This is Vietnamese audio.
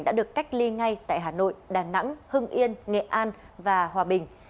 đã được cách ly ngay tại hà nội đà nẵng hưng yên nghệ an và hòa bình